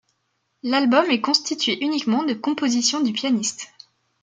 L’album est constitué uniquement de compositions du pianiste.